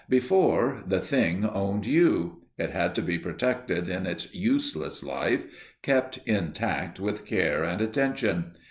Before, the Thing owned you; it had to be protected in its useless life, kept intact with care and attention.